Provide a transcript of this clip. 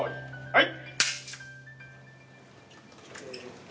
はい！